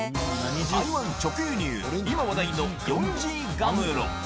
台湾直輸入、今話題のヨンジーガムロ。